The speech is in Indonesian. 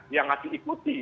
yang harus diikuti